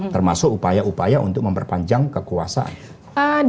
termasuk upaya upaya untuk memperpanjang kekuasaan